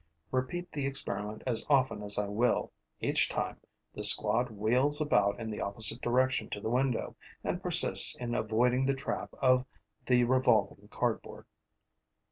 Repeat the experiment as often as I will, each time the squad wheels about in the opposite direction to the window and persists in avoiding the trap of the revolving cardboard.